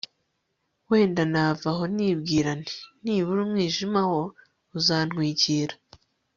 wenda nava aho nibwira nti nibura umwijima wo uzantwikira